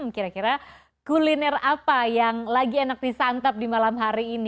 kira kira kuliner apa yang lagi enak disantap di malam hari ini